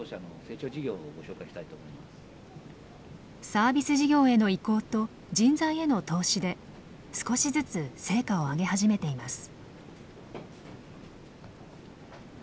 サービス事業への移行と人材への投資で少しずつ成果を上げ始めています。